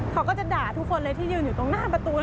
เขาก็จะด่าทุกคนเลยที่ยืนอยู่ตรงหน้าประตู